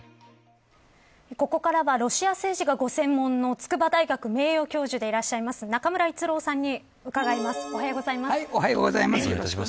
ここからはロシア政治がご専門の筑波大学名誉教授でいらっしゃる中村逸郎さんに伺います。